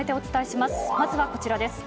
まずはこちらです。